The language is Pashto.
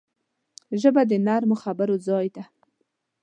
ژبه د نرمو خبرو ځای ده